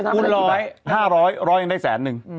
คูณ๑๐๐๕๐๐ร้อยยังได้สารนึง